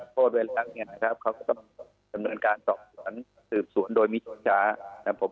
โทษเวลาเนี่ยนะครับเขาก็ต้องดำเนินการสอบสวนสืบสวนโดยมิชชานะครับผม